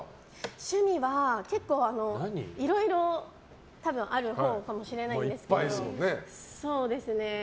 趣味は結構、いろいろ多分あるほうかもしれないんですけど。